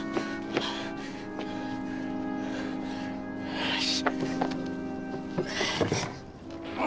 よし。